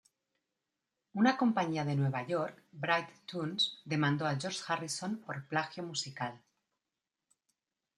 Una compañía de Nueva York, Bright Tunes, demandó a George Harrison por plagio musical.